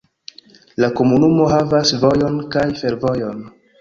La komunumo havas vojon kaj fervojon.